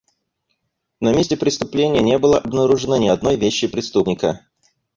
На месте преступления не было обнаружено ни одной вещи преступника.